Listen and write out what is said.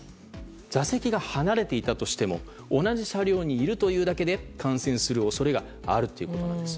座席が離れていたとしても同じ車両にいるというだけで感染する恐れがあるということなんです。